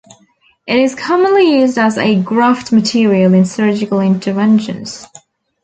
It is commonly used as a graft material in surgical interventions.